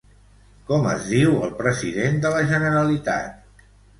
Com es diu el president de la Generalitat?